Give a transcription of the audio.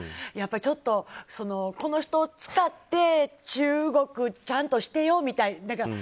やっぱり、ちょっとこの人を使って中国、ちゃんとしてよみたいな。